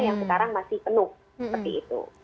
yang sekarang masih penuh seperti itu